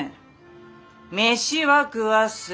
飯は食わす。